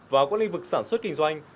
vào các lĩnh vực sản xuất kinh doanh